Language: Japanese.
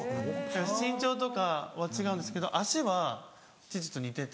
身長とかは違うんですけど足は父と似てて。